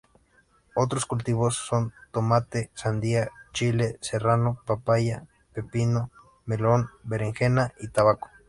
Otros cultivos son: tomate, sandía, chile serrano, papaya, pepino, melón, berenjena y tabaco.